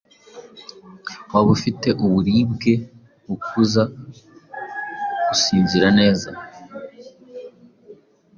waba ufite uburibwe bukubuza gusinzira neza,